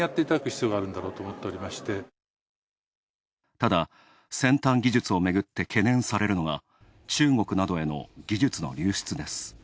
ただ、先端技術をめぐって懸念されるのが中国などへの技術の流出です。